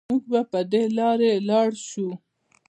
مونږ به په دې لارې لاړ شو